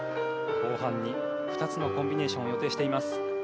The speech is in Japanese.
後半に２つのコンビネーションを予定しています。